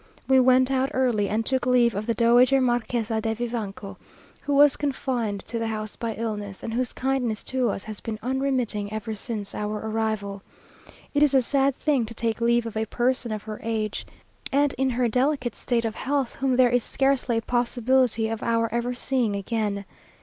We went out early, and took leave of the Dowager Marquésa de Vivanco, who was confined to the house by illness, and whose kindness to us has been unremitting ever since our arrival. It is a sad thing to take leave of a person of her age, and in her delicate state of health, whom there is scarcely a possibility of our ever seeing again.